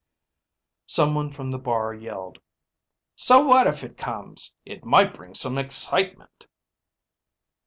Some one from the bar yelled, "So what if it comes? It might bring some excitement."